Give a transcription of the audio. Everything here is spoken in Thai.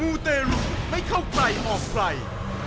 มูตเตรุไม่เข้าใจออกไกล